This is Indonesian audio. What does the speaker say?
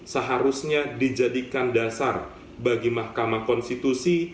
seharusnya dijadikan dasar bagi mahkamah konstitusi